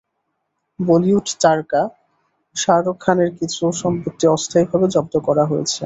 বলিউড তারকা শাহরুখ খানের কিছু সম্পত্তি অস্থায়ীভাবে জব্দ করা হয়েছে।